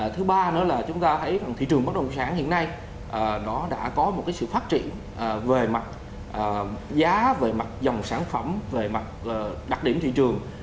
thứ ba nữa là chúng ta thấy thị trường bất đồng sản hiện nay nó đã có một sự phát triển về mặt giá về mặt dòng sản phẩm về mặt đặc điểm thị trường